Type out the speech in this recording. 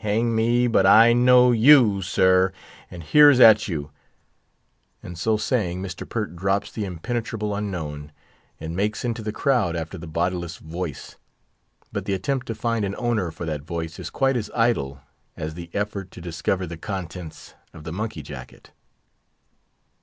"Hang me, but I know you, sir! and here's at you!" and, so saying, Mr. Pert drops the impenetrable unknown, and makes into the crowd after the bodiless voice. But the attempt to find an owner for that voice is quite as idle as the effort to discover the contents of the monkey jacket.